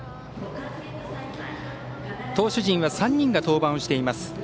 投手陣は３人が登板をしています。